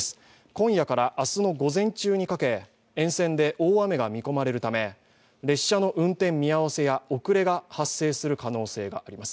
今夜から明日の午前中にかけ、沿線で大雨が見込まれるため列車の運転見合わせや遅れが発生する可能性があります。